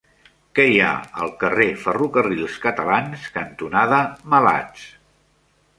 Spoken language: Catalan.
Què hi ha al carrer Ferrocarrils Catalans cantonada Malats?